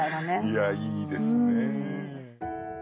いやいいですね。